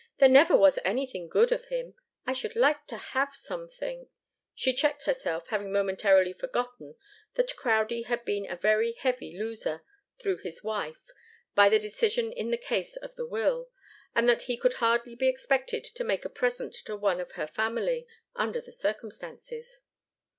"There never was anything good of him I should so like to have something " She checked herself, having momentarily forgotten that Crowdie had been a very heavy loser, through his wife, by the decision in the case of the will, and that he could hardly be expected to make a present to one of her family, under the circumstances.